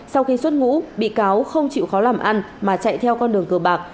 sau khi xuất ngũ bị cáo không chịu khó làm ăn mà chạy theo con đường cờ bạc